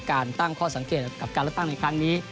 การตั้งข้อสังเกตกับการเลือกตั้งในครั้งนี้